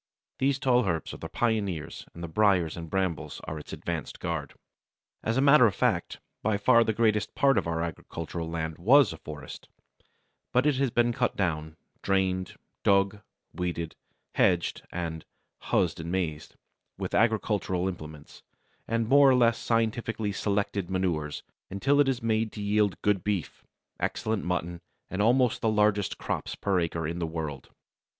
These tall herbs are the pioneers, and the briers and brambles are its advanced guard. As a matter of fact, by far the greatest part of our agricultural land was a forest, but it has been cut down, drained, dug, weeded, hedged, and "huzzed and maazed" with agricultural implements and more or less scientifically selected manures, until it is made to yield good beef, excellent mutton, and almost the largest crops per acre in the world.